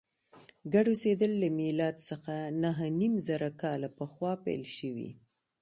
ګډ اوسېدل له میلاد څخه نهه نیم زره کاله پخوا پیل شوي.